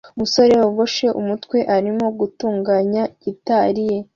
Umusore wogoshe umutwe arimo gutunganya gitari ye